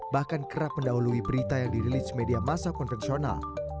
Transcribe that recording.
bahkan kerap mendahului berita yang dirilis media masa konvensional